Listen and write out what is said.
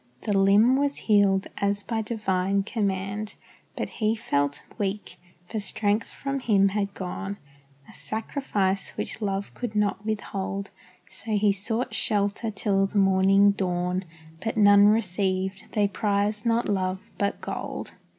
The limb was healed as by divine command, But He felt weak, for strength from Him had gone, A sacrifice which love could not withhold; So he sought shelter till the morning dawn, But none received they prized not love, but gold.